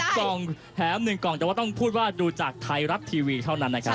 ๑๐กองแพ้๑กองก็ต้องพูดว่าดูจากไทรัตทร์ทีวีเท่านั้นนะครับ